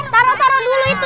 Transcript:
taruh taruh dulu itu